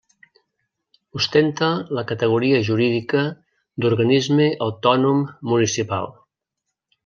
Ostenta la categoria jurídica d'organisme autònom municipal.